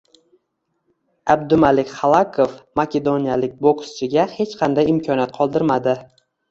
Abdumalik Xalakov makedoniyalik bokschiga hech qanday imkoniyat qoldirmading